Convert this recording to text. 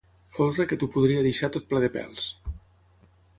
Folre que t'ho podria deixar tot ple de pèls.